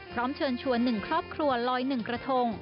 พร้อมเชิญชวน๑ครอบครัวลอย๑กระทง